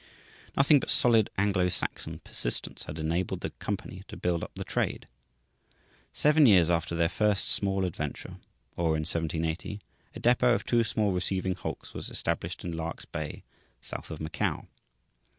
Nothing but solid Anglo Saxon persistence had enabled the company to build up the trade. Seven years after their first small adventure, or in 1780, a depot of two small receiving hulks was established in Lark's Bay, south of Macao.